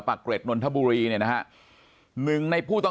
ปากกับภาคภูมิ